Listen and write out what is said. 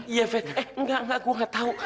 iya fe eh engga engga gue engga tau